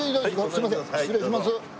すいません失礼します。